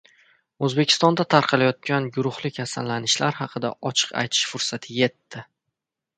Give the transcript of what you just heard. O‘zbekistonda tarqalayotgan guruhli kasallanishlar haqida ochiq aytish fursati yetdi